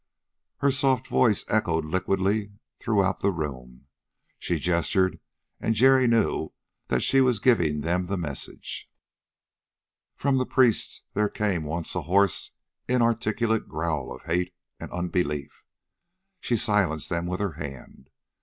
Her soft voice echoed liquidly throughout the room. She gestured, and Jerry knew that she was giving them the message. From the priests there came once a hoarse, inarticulate growl of hate and unbelief. She silenced them with her hand.